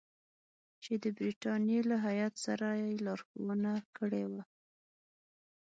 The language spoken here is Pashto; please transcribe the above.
چې د برټانیې له هیات سره یې لارښوونه کړې وه.